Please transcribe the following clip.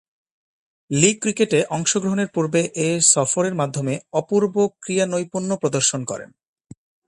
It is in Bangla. লীগ ক্রিকেটে অংশগ্রহণের পূর্বে এ সফরের মাধ্যমে অপূর্ব ক্রীড়ানৈপুণ্য প্রদর্শন করেন।